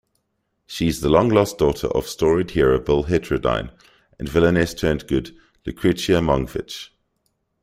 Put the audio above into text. She's the long-lost daughter of storied hero Bill Heterodyne and villainess-turned-good Lucrezia Mongfish.